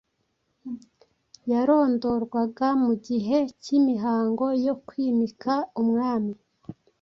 yarondorwaga mu gihe cy'imihango yo kwimika umwami.